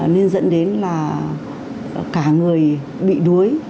nên dẫn đến là cả người bị đuối